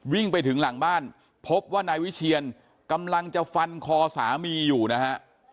วิ่งไปถึงหลังบ้านพบว่านายวิเชียนกำลังจะฟันคอสามีอยู่นะฮะ